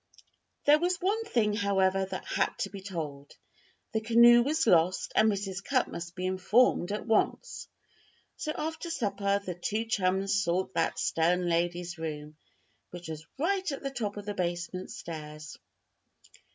There was one thing, however, that had to be told. The canoe was lost and Mrs. Cupp must be informed at once. So after supper the two chums sought that stern lady's room, which was right at the top of the basement stairs.